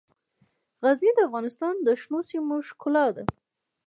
غزني د افغانستان د شنو سیمو ښکلا ده.